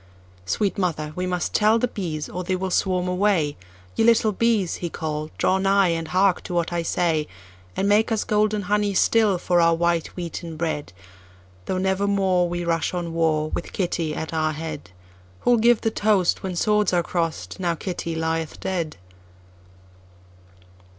"Sweet mother, we must tell the bees, or they will swarm away:Ye little bees!" he called, "draw nigh, and hark to what I say, And make us golden honey still for our white wheaten bread, Though never moreWe rush on warWith Kitty at our head:Who 'll give the toastWhen swords are cross'd, Now Kitty lieth dead?"